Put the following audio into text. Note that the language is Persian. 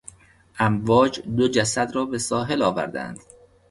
امواج دو جسد را به ساحل آوردند.